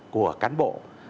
của cán bộ